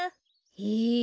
へえ。